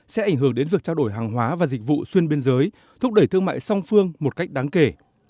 sẽ ảnh hưởng đến việc trao đổi hàng hóa và dịch vụ xuyên biên giới thúc đẩy thương mại song phương một cách đáng kể